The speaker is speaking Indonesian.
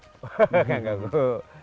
bukan gak cukup